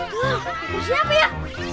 tuh siap ya